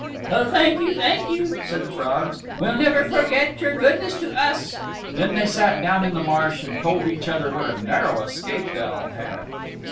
"Oh, thank you, thank you," said the frogs, "we'll never forget your goodness to us." Then they sat down in the marsh and told each other what a narrow escape they all had.